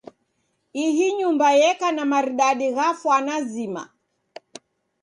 Ihi nyumba yeka na maridadi gha fwana zima.